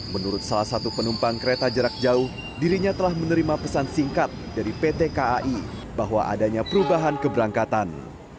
menurut salah satu penumpang kereta jarak jauh dirinya telah menerima pesan singkat dari pt kai bahwa adanya perubahan keberangkatan